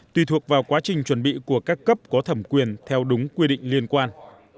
tùy thuộc vào quá trình chuẩn bị của các cấp có thẩm quyền theo đúng quy định liên quan